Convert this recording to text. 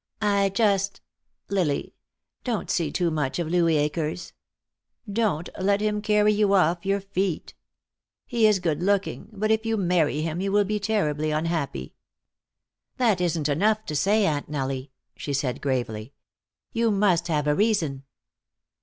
"I just Lily, don't see too much of Louis Akers. Don't let him carry you off your feet. He is good looking, but if you marry him, you will be terribly unhappy." "That isn't enough to say, Aunt Nellie," she said gravely. "You must have a reason."